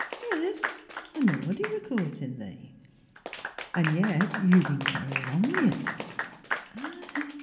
Yis, I knowed 'e wor courtin' thee. An' yet you've been carryin' on wi' him.